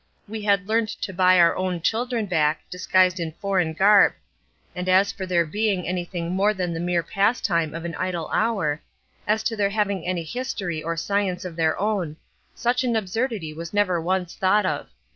We had learnt to buy our own children back, disguised in foreign garb; and as for their being anything more than the mere pastime of an idle hour—as to their having any history or science of their own—such an absurdity was never once thought of.